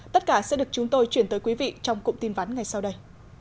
tất cả sẽ được chúng tôi chuyển tới quý vị trong cụm tin ván ngày sau đây